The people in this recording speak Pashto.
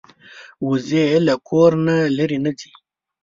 وزې له کور نه لرې نه ځي